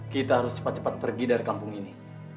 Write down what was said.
kita harus cepat cepat pergi dari kampung ini